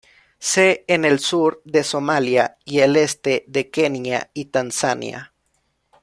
Se en el sur de Somalia y el este de Kenia y Tanzania.